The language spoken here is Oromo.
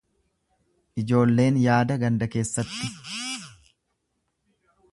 Ijoolleen yaada ganda keessatti.